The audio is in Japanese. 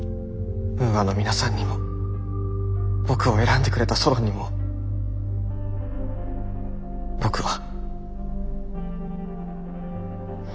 ウーアの皆さんにも僕を選んでくれたソロンにも僕は。